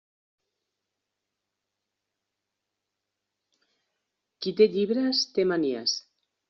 Qui té llibres té manies.